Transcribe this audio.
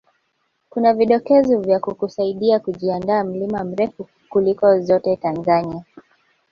kuna vidokezo vya kukusaidia kujiandaa mlima mrefu kuliko zote Tanzania